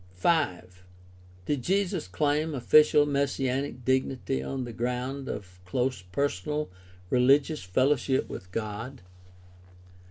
5. Did Jesus claim official messianic dignity on the ground of close personal rehgious fellowship with God